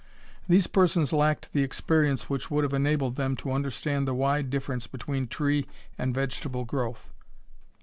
These persons lacked the experience which would have enabled them to understand the wide difference between tree and vegetable growth.